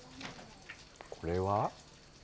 これは？